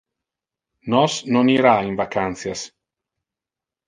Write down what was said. Nos non ira in vacantias.